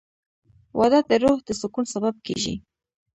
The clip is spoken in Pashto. • واده د روح د سکون سبب کېږي.